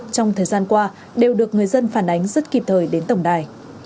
trong thời gian qua đều được người dân phản ánh rất kịp thời đến tổng đài